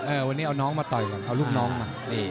วันนี้เอาน้องมาต่อยก่อนเอาลูกน้องมา